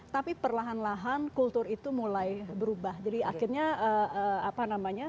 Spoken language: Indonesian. tapi perlahan lahan kultur itu mulai berubah jadi akhirnya apa namanya